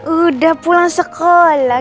udah pulang sekolah